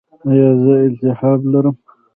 ایا زه التهاب لرم؟